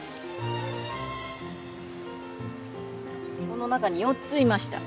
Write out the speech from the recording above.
この中に４ついました。